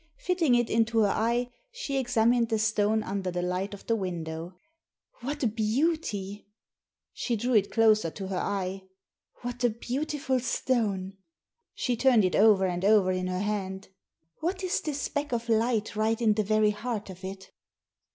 Fitting it into her eye, she examined the stone under the light of the window. What a beauty !" She drew it closer to her eye. " What a beautiful stone !" She turned it over and over in her hand. " What is this speck of light right in the very heart of it